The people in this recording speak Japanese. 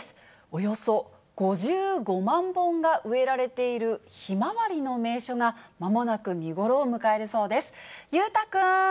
およそ５５万本が植えられているひまわりの名所がまもなく見頃を迎えるそうです。